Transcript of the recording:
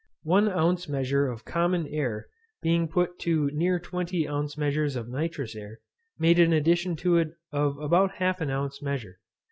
One ounce measure of common air being put to near twenty ounce measures of nitrous air, made an addition to it of about half an ounce measure.